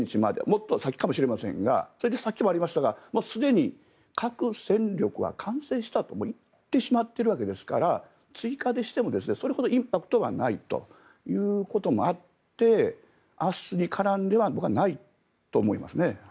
もっと先かもしれませんがさっきもありましたがすでに核戦力は完成したと言ってしまっているわけですから追加でしてもそれほどインパクトがないということもあって明日に絡んでは僕はないと思いますね。